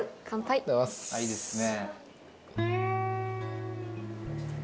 あおいしいですね。